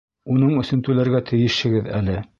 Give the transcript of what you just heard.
Уның өсөн түләргә тейешһегеҙ әле.